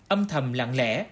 âm thầm lặng lẽ